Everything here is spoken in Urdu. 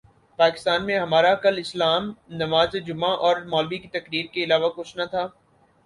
پاکستان میں ہمارا کل اسلام نماز جمعہ اور مولبی کی تقریر کے علاوہ کچھ نہ تھا